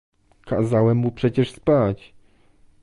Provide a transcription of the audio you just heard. "Kazałem mu przecież spać."